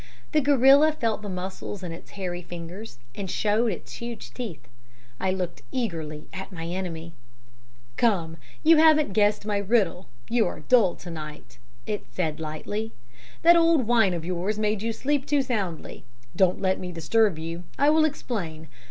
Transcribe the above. "The gorilla felt the muscles in its hairy fingers, and showed its huge teeth. I looked eagerly at my enemy. "'Come, you haven't yet guessed my riddle; you are dull to night,' it said lightly. 'That old wine of yours made you sleep too soundly. Don't let me disturb you. I will explain.